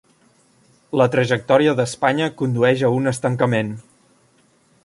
La trajectòria d'Espanya condueix a un estancament.